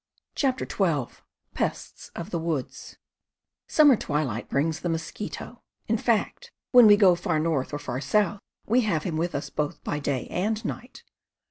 CHAPTER XII PESTS OF THE WOODS CUMMER twilight brings the mosquito. In fact, when we go far north or far south, we have him with us both by day and night.